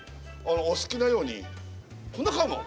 お好きなように。